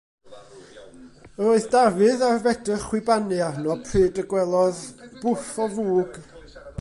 Yr oedd Dafydd ar fedr chwibanu arno pryd y gwelodd bwff o fwg.